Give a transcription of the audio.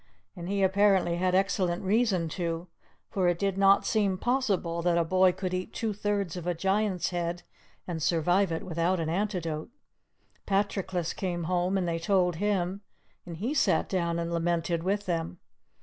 And he apparently had excellent reason to; for it did not seem possible that a boy could eat two thirds of a Giant's head and survive it without an antidote. Patroclus came home, and they told him, and he sat down and lamented with them.